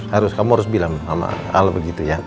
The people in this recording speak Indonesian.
harus kamu harus bilang sama al begitu ya